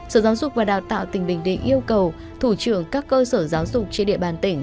sở giáo dục và đào tạo tỉnh bình định yêu cầu thủ trưởng các cơ sở giáo dục trên địa bàn tỉnh